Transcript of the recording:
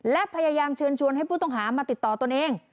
และพยายามเชิญชวนให้ผู้ต้องหามาติดต่อตนเอง